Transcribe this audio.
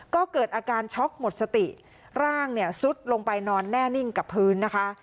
ก็เกิดอาการช็อกหมดสติร่างเนี่ยซุดลงไปนอนแน่นิ่งกับพื้นนะคะ